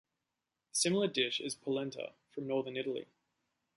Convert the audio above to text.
A similar dish is polenta, from northern Italy.